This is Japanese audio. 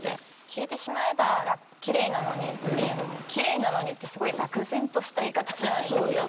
「消えてしまえば綺麗なのに」っていうのも「綺麗なのに」ってすごい漠然とした言い方じゃないですか。